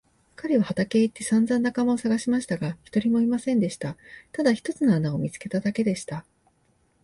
彼は畑へ行ってさんざん仲間をさがしましたが、一人もいませんでした。ただ一つの穴を見つけただけでした。